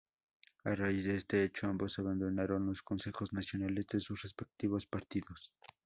A raíz de este hecho, ambos abandonaron los consejos nacionales de sus respectivos partidos.